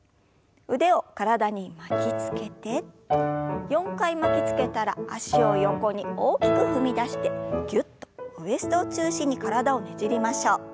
腕を体に巻きつけて４回巻きつけたら脚を横に大きく踏み出してぎゅっとウエストを中心に体をねじりましょう。